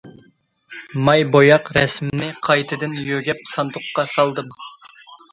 ماي بوياق رەسىمنى قايتىدىن يۆگەپ ساندۇققا سالدىم.